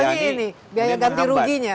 ini biaya ganti ruginya